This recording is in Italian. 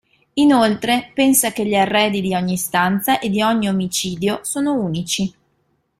Inoltre, pensa che gli arredi di ogni stanza e di ogni omicidio sono unici.